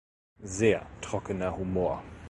Sehr trockener Humor.